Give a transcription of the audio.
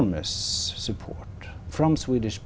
những công ty quốc gia